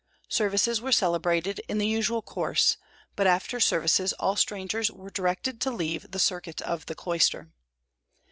Services were celebrated in the usual course; but after services all strangers were directed to leave the circuit of the cloister.